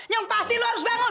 yang pasti lo harus bangun